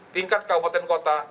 tingkat kabupaten kota